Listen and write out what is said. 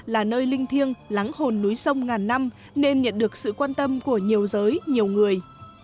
là nơi linh thiêng lắng hồn núi sông ngàn năm nên nhận được sự quan tâm của nhiều giới nhiều người